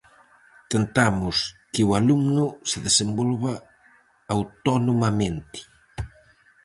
Tentamos que o alumno se desenvolva autonomamente.